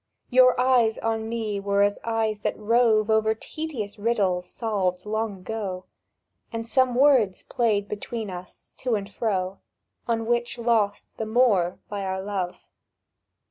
Your eyes on me were as eyes that rove Over tedious riddles solved years ago; And some words played between us to and fro— On which lost the more by our love.